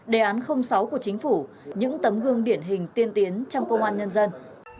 đề án sáu của chính phủ những tấm gương điển hình tiên tiến trong công an nhân dân